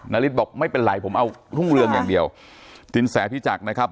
นาริสบอกไม่เป็นไรผมเอารุ่งเรืองอย่างเดียวสินแสพิจักรนะครับ